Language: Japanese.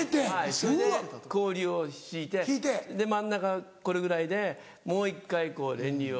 それで氷を敷いて真ん中これぐらいでもう１回こう練乳を。